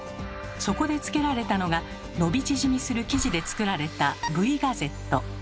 そこでつけられたのが伸び縮みする生地で作られた「Ｖガゼット」。